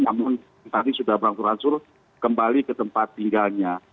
namun tadi sudah berlangsung langsung kembali ke tempat tinggalnya